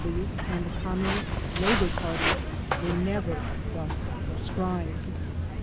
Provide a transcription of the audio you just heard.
W. W. and the Com munist Labor Party were never thus proscribed.